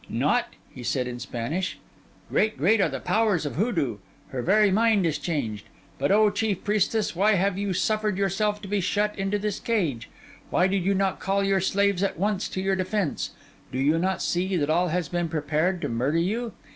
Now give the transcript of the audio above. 'Not?' he said in Spanish. 'Great, great, are the powers of Hoodoo! Her very mind is changed! But, O chief priestess, why have you suffered yourself to be shut into this cage? why did you not call your slaves at once to your defence? Do you not see that all has been prepared to murder you?